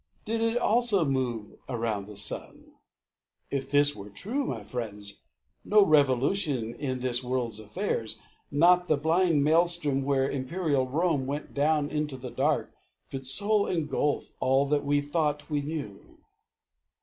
Did it also move Around the sun? If this were true, my friends, No revolution in this world's affairs, Not that blind maelstrom where imperial Rome Went down into the dark, could so engulf All that we thought we knew.